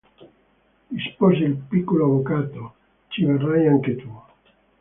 Rispose il piccolo avvocato, – ci verrai anche tu.